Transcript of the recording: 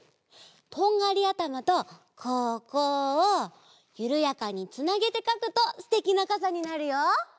とんがりあたまとここをゆるやかにつなげてかくとすてきなかさになるよ。